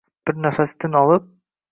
bir nafas tin olib…